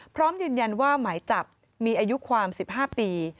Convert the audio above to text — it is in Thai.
พร้อมยืนยันว่าหมายจับมีอายุความ๑๕ปี